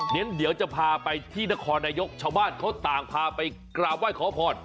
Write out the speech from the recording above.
เดี๋ยวจะพาไปที่นครนายกชาวบ้านเขาต่างพาไปกราบไหว้ขอพร